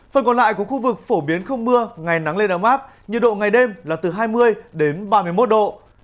phần còn lại của khu vực phổ biến không mưa ngày nắng lên đám áp nhiệt độ ngày đêm là từ hai mươi đến ba mươi một độ